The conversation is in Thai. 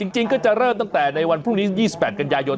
จริงก็จะเริ่มตั้งแต่ในวันพรุ่งนี้๒๘กันยายน